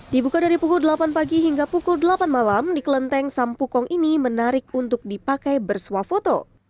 dibuka dari pukul delapan pagi hingga pukul delapan malam di kelenteng sampukong ini menarik untuk dipakai bersuah foto